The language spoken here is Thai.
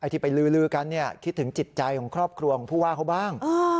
ที่ไปลือกันคิดถึงจิตใจของครอบครัวของผู้ว่าเขาบ้าง